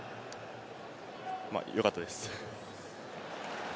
まぁよかったです。